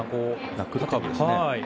ナックルカーブですね。